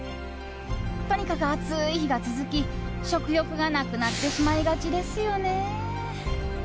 とにかく暑い日が続き、食欲がなくなってしまいがちですよね。